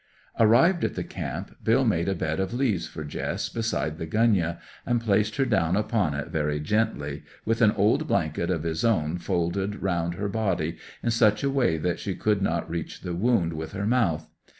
Arrived at the camp, Bill made a bed of leaves for Jess beside the gunyah, and placed her down upon it very gently, with an old blanket of his own folded round her body in such a way that she could not reach the wound with her mouth.